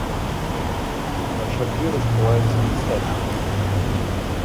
Ваши рты раскрываются некстати.